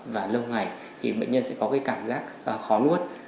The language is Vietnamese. và lâu ngày thì bệnh nhân sẽ có cái cảm giác khó nuốt